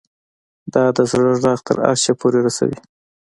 دا د زړه غږ تر عرشه پورې رسوي